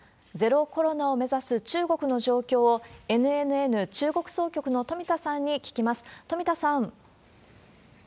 ゼロコロナを目指す中国の状況を、ＮＮＮ中国当局の富田さんに聞きます。